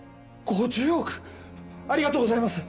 ありがとうございます！